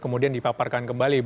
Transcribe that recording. kemudian dipaparkan kembali